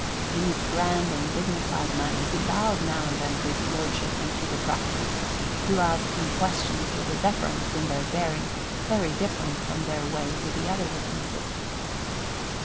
In his grand and dignified manner he bowed now and then to His Lordship and to the proctors, who asked him questions with a deference in their bearing very different from their way with the other witnesses.